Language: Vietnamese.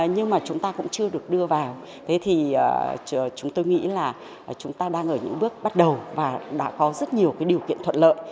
nhưng mà chúng ta cũng chưa được đưa vào thế thì chúng tôi nghĩ là chúng ta đang ở những bước bắt đầu và đã có rất nhiều cái điều kiện thuận lợi